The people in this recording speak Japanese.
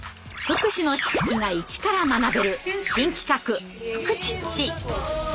福祉の知識がイチから学べる新企画「フクチッチ」。